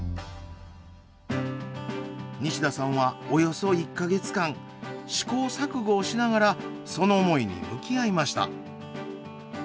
西田さんはおよそ１か月間試行錯誤をしながらその思いに向き合いました。